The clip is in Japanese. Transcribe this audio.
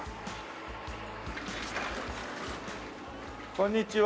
こんにちは。